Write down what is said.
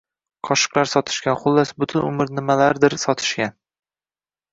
Qoshiqlar sotishgan, xullas, butun umr nimalarnidir sotishgan.